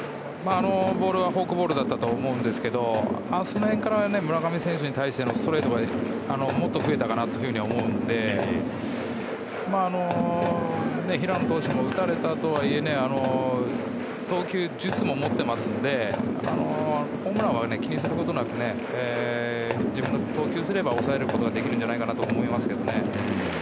あのボールはフォークボールだったと思いますがその辺から村上選手に対してのストレートがもっと増えたかなと思うので平野投手も打たれたとはいえ投球術も持っているのでホームランは気にすることなく自分の投球をすれば抑えることができるんじゃないかと思いますね。